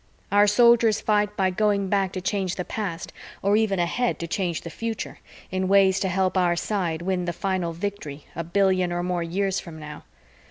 Our Soldiers fight by going back to change the past, or even ahead to change the future, in ways to help our side win the final victory a billion or more years from now.